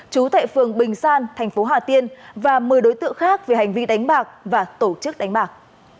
chú tại phường bình san thành phố hà tiên và một mươi đối tượng khác về hành vi đánh bạc và tổ chức đánh bạc